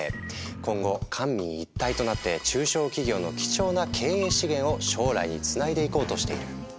今後官民一体となって中小企業の貴重な経営資源を将来につないでいこうとしている。